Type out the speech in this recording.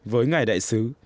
với ngài đại sứ